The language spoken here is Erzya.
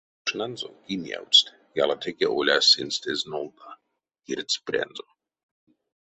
Мокшнанзо киневтсть, ялатеке оляс сынст эзь нолда, кирдсь прянзо.